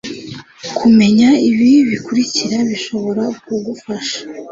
kumenya ibi bikurikira bishobora kugufasha